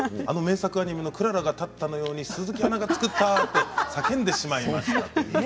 あの名作アニメのクララが立ったように鈴木アナが作った！と叫んでしまいました。